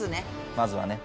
まずはね。